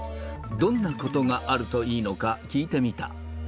どんなことがあるといいのか、聞いてみた。